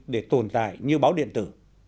để tồn tại như báo điện tử